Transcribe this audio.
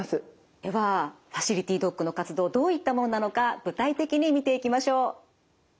ではファシリティドッグの活動どういったものなのか具体的に見ていきましょう。